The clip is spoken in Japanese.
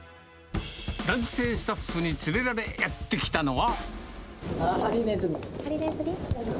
男性スタッフに連れられやって来たのは。